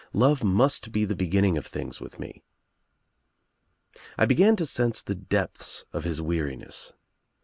Love must be the beginning of things with me." I began to sense the depths of his weariness.